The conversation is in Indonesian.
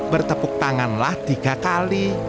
bertepuk tanganlah tiga kali